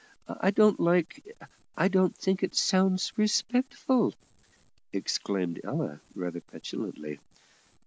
I don't like I don't think it sounds respectful," exclaimed Ella rather petulantly.